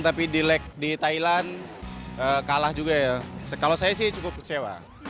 tapi di leg di thailand kalah juga ya kalau saya sih cukup kecewa